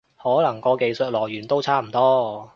可能個技術來源都差唔多